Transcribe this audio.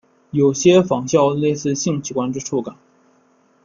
有些仿效类似性器官之触感。